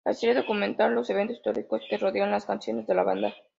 La serie documenta los eventos históricos que rodean las canciones de la banda.